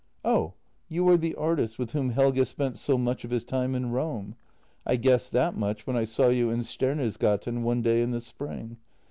" Oh, you are the artist with whom Helge spent so much of his time in Rome. I guessed that much when I saw you in Stener sgaten one day in the spring.